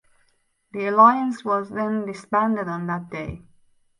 The alliance was then disbanded on that day.